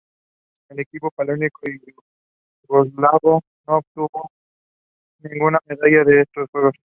El equipo paralímpico yugoslavo no obtuvo ninguna medalla en estos Juegos.